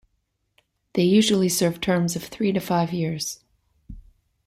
They usually served terms of three to five years.